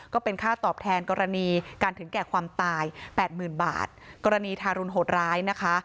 ก็เป็นค่าตอบแทนกรณีการถึงแก่ความตายแปดหมื่นบาทกรณีทารุณโหดร้ายนะคะ